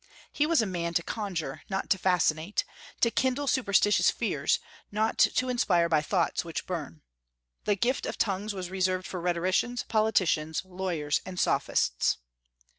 He was a man to conjure, not to fascinate; to kindle superstitious fears, not to inspire by thoughts which burn. The gift of tongues was reserved for rhetoricians, politicians, lawyers, and Sophists.